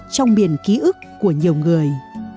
trong biển ký ức của nhiều người